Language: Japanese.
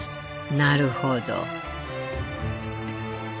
なるほど。